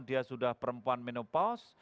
dia sudah perempuan menopaus